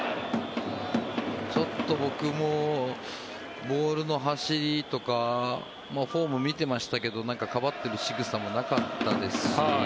ちょっと僕もボールの走りとかフォームを見てましたけどかばってるしぐさもなかったですし。